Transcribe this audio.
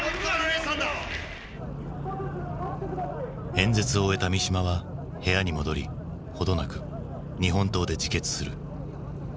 演説を終えた三島は部屋に戻り程なく日本刀で自決する。